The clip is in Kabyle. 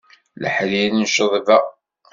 Leḥrir n cceḍba.